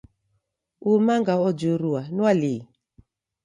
Uu manga ojurua, ni wa lii?